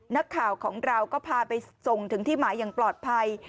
นักข่าวของเราก็พาไปส่งถึงที่หมายอย่างปลอดภัย